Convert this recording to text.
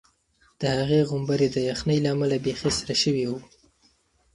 د هغې غومبوري د یخنۍ له امله بیخي سره شوي وو.